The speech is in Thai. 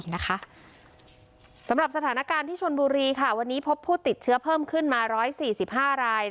สถานการณ์โรงพยาบาลที่ชนบุรีพบผู้ติดเชื้อเพิ่มขึ้นมา๑๔๕ราย